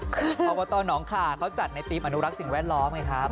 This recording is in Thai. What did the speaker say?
เด็ดมั้ยครับโอปโตน้องค่ะเขาจัดในทีมอนุรักษ์สิ่งแวดล้อมไงครับ